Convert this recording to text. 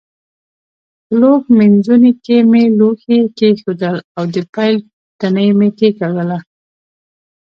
په لوښ مینځوني کې مې لوښي کېښودل او د پیل تڼۍ مې کېکاږله.